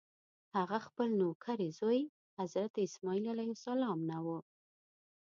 هغه خپل نوکرې زوی حضرت اسماعیل علیه السلام نه و.